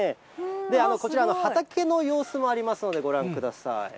こちら、畑の様子もありますので、ご覧ください。